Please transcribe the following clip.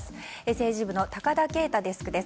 政治部の高田圭太デスクです。